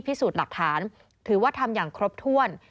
พิสูจน์หลักฐานถือว่าทำอย่างครบถ้วน